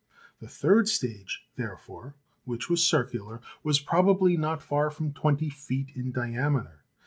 The third stage, there fore, which was circular, was probably not far from twenty feet in diameter.